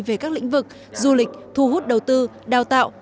về các lĩnh vực du lịch thu hút đầu tư đào tạo